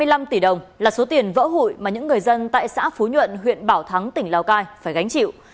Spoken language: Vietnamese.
hai mươi năm tỷ đồng là số tiền vỡ hụi mà những người dân tại xã phú nhuận huyện bảo thắng tỉnh lào cai phải gánh chịu